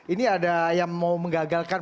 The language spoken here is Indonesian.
ini ada yang mau menggagalkan